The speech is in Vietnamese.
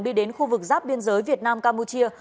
đi đến khu vực giáp biên giới việt nam campuchia